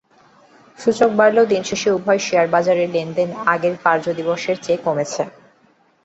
সূচক বাড়লেও দিন শেষে উভয় শেয়ারবাজারে লেনদেন আগের কার্যদিবসের চেয়ে কমেছে।